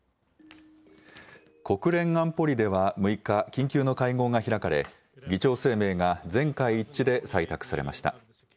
国連安保理では６日、緊急の会合が開かれ議長声明が全会一致で採択されました。